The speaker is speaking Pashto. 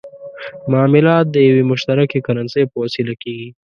معاملات د یوې مشترکې کرنسۍ په وسیله کېږي.